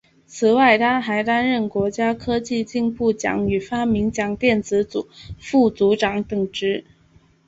此外他还担任国家科技进步奖与发明奖电子组副组长等职。